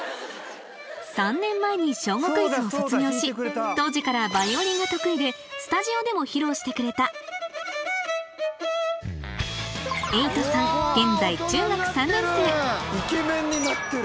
３年前に『小５クイズ』を卒業し当時からバイオリンが得意でスタジオでも披露してくれたイケメンになってる。